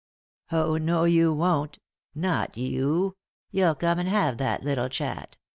" Oh no, you won't ; not you ; you'll come and have that little chat.